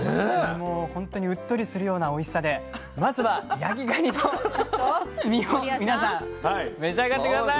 もう本当にうっとりするようなおいしさでまずは焼きがにの身を皆さん召し上がって下さい。